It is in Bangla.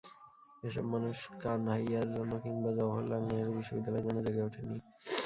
এসব মানুষ কানহাইয়ার জন্য কিংবা জওহরলাল নেহরু বিশ্ববিদ্যালয়ের জন্য জেগে ওঠেননি।